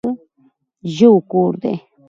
ځنګل د ژوو کور دی.